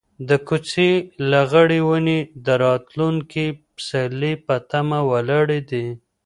د کوڅې لغړې ونې د راتلونکي پسرلي په تمه ولاړې دي.